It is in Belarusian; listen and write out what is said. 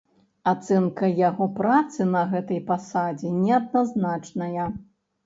Ацэнка яго працы на гэтай пасадзе неадназначная.